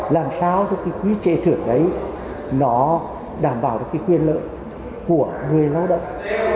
làm sao cho cái quý trệ thưởng đấy nó đảm bảo được cái quyền lợi của người lao động